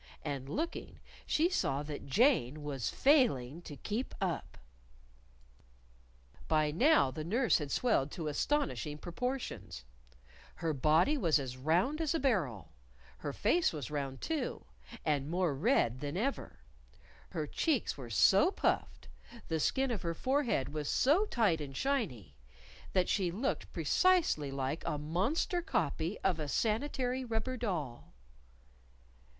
And looking, she saw that Jane was failing to keep up. By now the nurse had swelled to astonishing proportions. Her body was as round as a barrel. Her face was round too, and more red than ever. Her cheeks were so puffed, the skin of her forehead was so tight and shiny, that she looked precisely like a monster copy of a sanitary rubber doll!